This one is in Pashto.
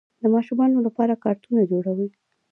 د ماشومانو لپاره کارتونونه جوړوي.